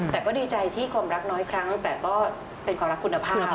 แต่ก็ดีใจที่ความรักน้อยครั้งแต่ก็เป็นความรักคุณภาพ